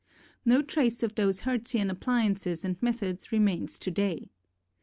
No trace of those Hertzian appliances and methods remains today.